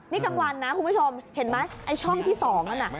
นี่กลางวันนะคุณผู้ชมเห็นไหมไอ้ช่องที่๒นั่นน่ะ